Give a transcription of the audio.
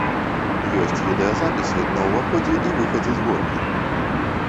Ёсць відэазапісы на ўваходзе і выхадзе з горкі.